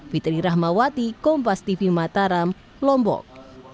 fitri rahmawati kompas tv mataram lombok